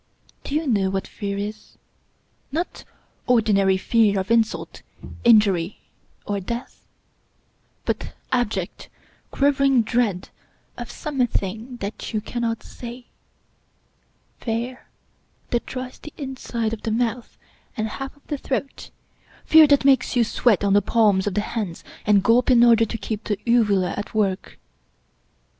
• Do you know what fear is? Not ordinary fear of in sult, injury or death, but abject, quivering dread of some thing that you cannot see — ^fear that dries the inside of the mouth and half of the throat — fear that makes you sweat on the palms of the hands, and gulp in order to keep the uvula at work